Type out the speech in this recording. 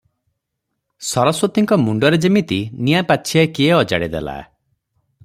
ସରସ୍ୱତୀଙ୍କ ମୁଣ୍ଡରେ ଯିମିତି ନିଆଁ ପାଛିଆଏ କିଏ ଅଜାଡ଼ି ଦେଲା ।